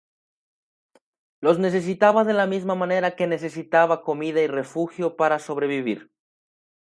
Los necesitaba de la misma manera que necesitaba comida y refugio para sobrevivir.